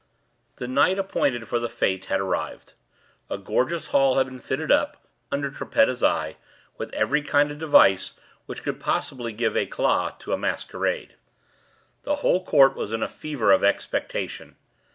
The night appointed for the fete had arrived. A gorgeous hall had been fitted up, under Trippetta's eye, with every kind of device which could possibly give eclat to a masquerade. The whole court was in a fever of expectation.